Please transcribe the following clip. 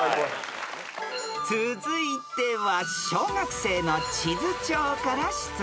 ［続いては小学生の地図帳から出題］